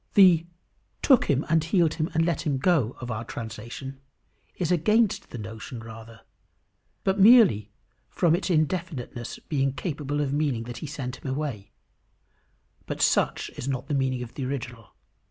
The "took him and healed him and let him go," of our translation, is against the notion rather, but merely from its indefiniteness being capable of meaning that he sent him away; but such is not the meaning of the original.